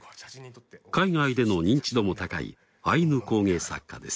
海外での認知度も高いアイヌ工芸作家です。